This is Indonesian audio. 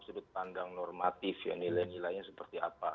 sudut pandang normatif ya nilai nilainya seperti apa